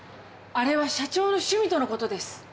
あれは社長の趣味とのことです。